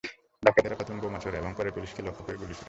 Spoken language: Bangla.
ডাকাতেরা প্রথমে বোমা ছোড়ে এবং পরে পুলিশকে লক্ষ করে গুলি করে।